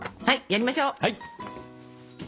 やりましょう！